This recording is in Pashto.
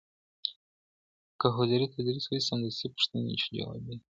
که حضوري تدريس وسي سمدستي پوښتنې جوابېږي.